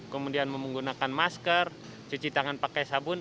kemudian menggunakan masker cuci tangan pakai sabun